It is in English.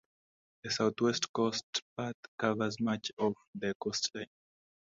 The South West Coast Path covers much of the coastline.